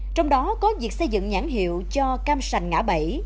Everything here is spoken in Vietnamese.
trong đó có việc xây dựng nhãn hiệu cho cam sành ngã bảy